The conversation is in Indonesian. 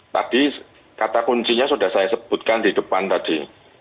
tadi kata kuncinya sudah saya sebutkan di depan tadi